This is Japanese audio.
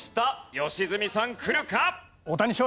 良純さんくるか？